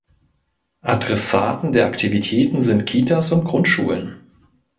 Adressaten der Aktivitäten sind Kitas und Grundschulen.